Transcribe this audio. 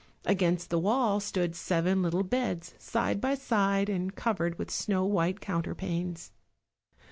Against the wall stood seven little beds side by side, and covered with snow white counterpanes.